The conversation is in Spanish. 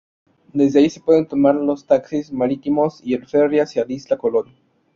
Desde ahí se pueden tomar los taxis marítimos y el Ferry hacia Isla Colón.